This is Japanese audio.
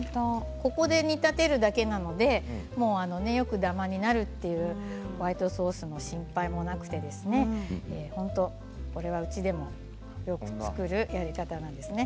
ここで煮立てるだけなのでよくダマになるとホワイトソースの失敗もなくてこれは、うちでもよく作るやり方なんです。